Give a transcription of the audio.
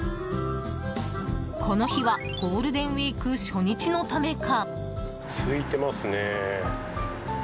この日はゴールデンウィーク初日のためか。